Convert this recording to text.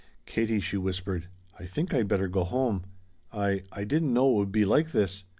"Katie," she whispered, "I think I'd better go home. I I didn't know it would be like this.